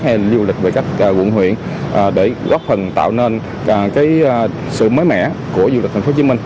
hay du lịch về các quận huyện để góp phần tạo nên sự mới mẻ của du lịch thành phố hồ chí minh